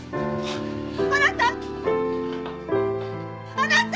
あなた！